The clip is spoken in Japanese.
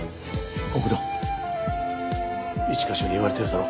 奥野一課長に言われてるだろ？